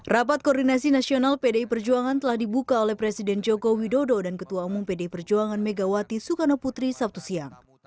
rapat koordinasi nasional pdi perjuangan telah dibuka oleh presiden joko widodo dan ketua umum pdi perjuangan megawati soekarno putri sabtu siang